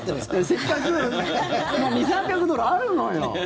せっかく２００３００ドルあるのよ。